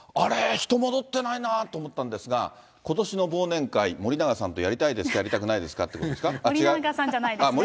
人戻ってないなと思ったんですが、ことしの忘年会、森永さんとやりたいですか、やりたくないですかということですか、違う？